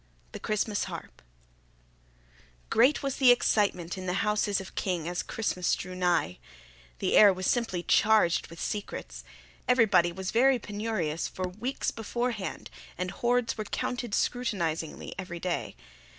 THE CHRISTMAS HARP Great was the excitement in the houses of King as Christmas drew nigh. The air was simply charged with secrets. Everybody was very penurious for weeks beforehand and hoards were counted scrutinizingly every day.